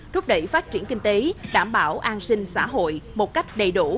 thúc đẩy phát triển kinh tế đảm bảo an sinh xã hội một cách đầy đủ